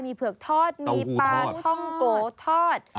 เผือกทอดมีปลาท่องโกทอด